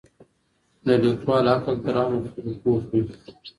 د ليکوال عقل تر عامو خلګو پوخ وي.